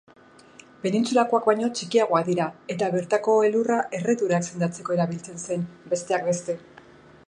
Penintsulakoak baino txikiagoak dira eta bertako elurra erredurak sendatzeko erabiltzen zen besteak beste.